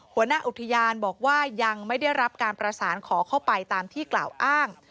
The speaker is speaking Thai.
หัวหน้าอุทยานบอกว่ายังไม่ได้รับการประสานขอเข้าไปตามที่กล่าวอ้าง